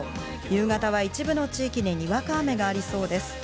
夕方は、一部の地域でにわか雨がありそうです。